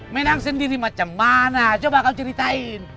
menang sendiri macam mana coba kau ceritain